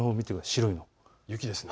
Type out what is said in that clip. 白いの雪ですね。